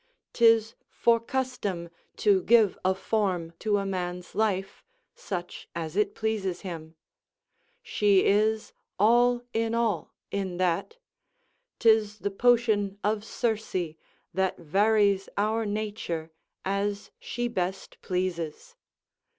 'Tis for custom to give a form to a man's life, such as it pleases him; she is all in all in that: 'tis the potion of Circe, that varies our nature as she best pleases.